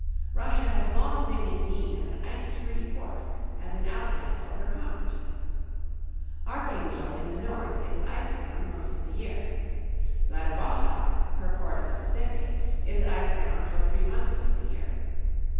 Russia has long been in need of an ice free port as an outlet for her commerce. Archangel (ark´ān´jel) in the north is ice bound most of the year. Vladivostok´, her port on the Pacific, is ice bound for three months of the year.